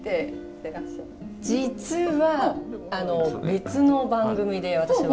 実は別の番組で私は。